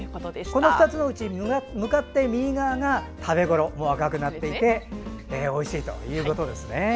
この２つのうち向かって右側が食べ頃赤くなっていておいしいということですね。